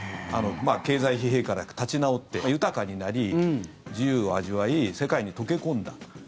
経済疲弊から立ち直って豊かになり自由を味わい世界に溶け込んだ。